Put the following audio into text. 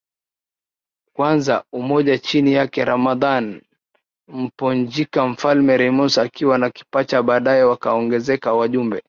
Kwanza umoja chini yake Ramadhan Mponjika mfalme Rhymson akiwa na Kibacha baadaye wakaongezeka wajumbe